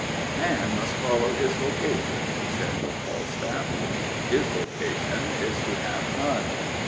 " A man must follow his vocation," he said with Falstaff, and his vocation is to have none.